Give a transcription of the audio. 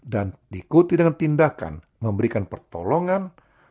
dan ikuti dengan tindakan memberikan pertolongan